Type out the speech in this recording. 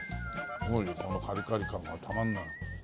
すごいよこのカリカリ感がたまんない。